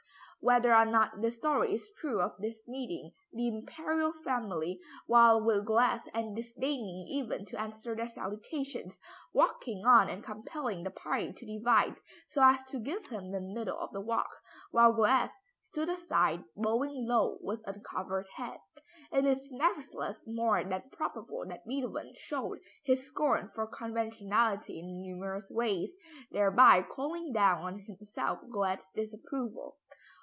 Whether or not the story is true of his meeting the Imperial family while with Goethe and disdaining even to answer their salutations, walking on and compelling the party to divide so as to give him the middle of the walk, while Goethe stood aside bowing low with uncovered head, it is nevertheless more than probable that Beethoven showed his scorn for conventionality in numerous ways, thereby calling down on himself Goethe's disapproval.